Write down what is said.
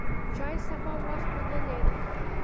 شاید سبا وخت ونه لرې !